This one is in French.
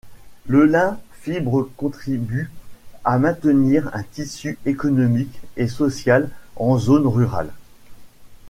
Le lin fibre contribue à maintenir un tissu économique et social en zones rurales.